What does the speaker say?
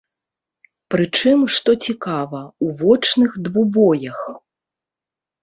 Прычым, што цікава, у вочных двубоях.